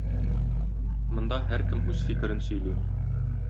Монда һәркем үз фикерен сөйли.